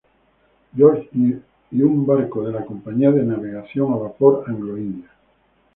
George y a un barco de la Compañía de Navegación a Vapor Anglo-India.